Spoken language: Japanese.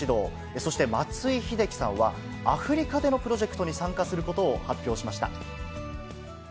そして松井秀喜さんは、アフリカでのプロジェクトに参加することを発表しました。